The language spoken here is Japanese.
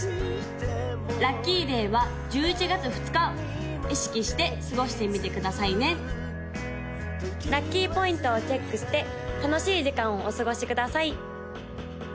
・ラッキーデイは１１月２日意識して過ごしてみてくださいね・ラッキーポイントをチェックして楽しい時間をお過ごしください！